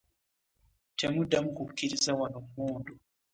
Temuddamu kukkiriza wano mmundu.